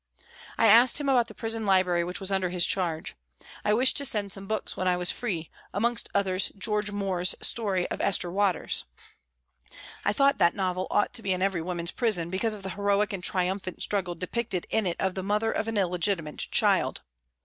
I asked him about the prison library which was under his charge. I wished to send some books when I was free, amongst others George Moore's story of " Esther Waters." I thought that novel ought to be in every woman's prison because of the heroic and triumphant struggle depicted in it of the mother of an illegitimate child.